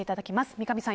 三上さん